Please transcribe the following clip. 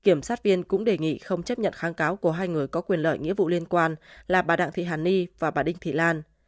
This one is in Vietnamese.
kiểm sát viên cũng đề nghị không chấp nhận kháng cáo của hai người có quyền lợi nghĩa vụ liên quan là bà đặng thị hàn ni và bà đinh thị lan